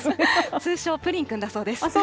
通称プリン君なんだそうです。